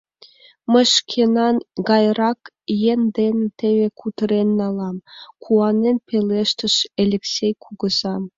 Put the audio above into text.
Мый шкенан гайрак еҥ дене теве кутырен налам, — куанен пелештыш Элексей кугыза.